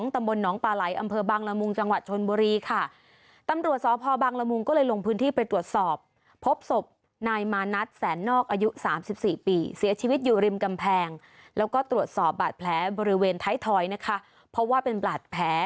ตำบลน้องปาไหลอำเภอบางละมุงจังหวัดชนบุรีค่ะ